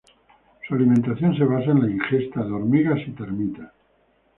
Su alimentación se basa en la ingesta de hormigas y termitas.